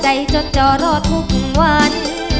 ใจจนจะรอดทุกวัน